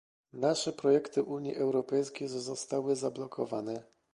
Nasze projekty Unii Europejskiej zostały zablokowane